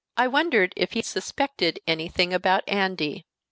I wondered if he suspected anything about Andy.